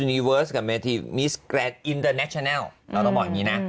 นีเวิร์สกับเมธีมิสแกรนดอินเตอร์แนคชาแนลเราต้องบอกอย่างนี้นะ